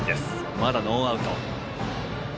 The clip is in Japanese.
まだノーアウト。